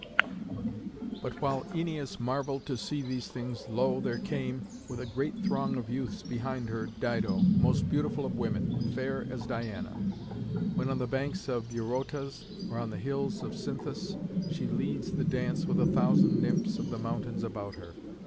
But while Æneas marvelled to see these things lo! there came, with a great throng of youths behind her, Dido, most beautiful of women, fair as Diana, when, on the banks of Eurotas or on the hills of Cynthus, she leads the dance with a thousand nymphs of the mountains about her.